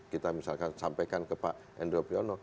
kita misalkan sampaikan ke pak endro piyono